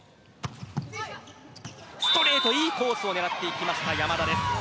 ストレート、いいコースを狙っていった山田です。